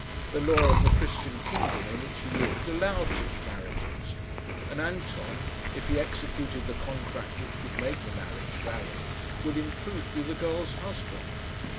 The law of the Christian kingdom in which he lived allowed such marriages, and Anton, if he executed the contract which would make the marriage valid, would in truth be the girl's husband.